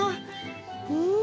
うん！